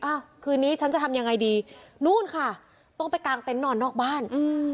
คืนนี้ฉันจะทำยังไงดีนู่นค่ะต้องไปกางเต็นต์นอนนอกบ้านอืม